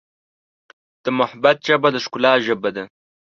د محبت ژبه د ښکلا ژبه ده.